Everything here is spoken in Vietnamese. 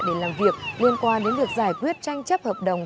để làm việc liên quan đến việc giải quyết tranh chấp hợp đồng